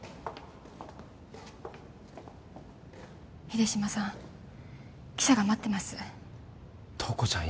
秀島さん記者が待ってます塔子ちゃん